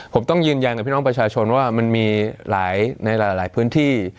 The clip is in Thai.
ผมต้องยืนยันกับพี่น้องประชาชนว่ามันมีหลายในหลายพื้นที่